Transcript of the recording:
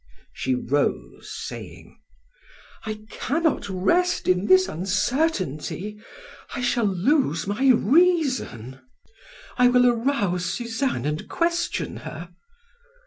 She rose, saying: "I cannot rest in this uncertainty. I shall lose my reason. I will arouse Suzanne and question her."